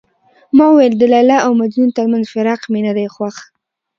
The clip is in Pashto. ما وویل د لیلا او مجنون ترمنځ فراق مې نه دی خوښ.